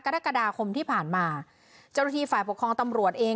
กรกฎาคมที่ผ่านมาเจ้าหน้าที่ฝ่ายปกครองตำรวจเอง